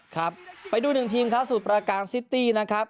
ครับไปดูหนึ่งทีมครับสูตรประการซิตี้นะครับ